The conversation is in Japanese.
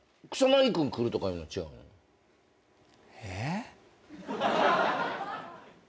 えっ？